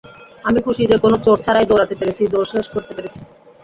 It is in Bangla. আমি খুশি যে, কোনো চোট ছাড়াই দৌড়াতে পেরেছি, দৌড় শেষ করতে পেরেছি।